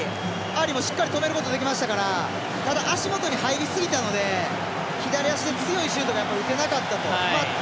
アリもしっかり止めることできましたからただ、足元に入りすぎたので左足で強いシュートが打てなかったと。